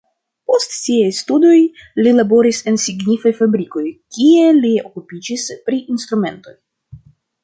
Post siaj studoj li laboris en signifaj fabrikoj, kie li okupiĝis pri instrumentoj.